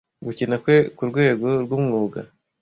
Gukina kwe kurwego rwumwuga.